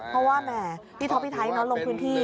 เพราะว่าที่ท้อปปี้ไทยน้องลงพื้นที่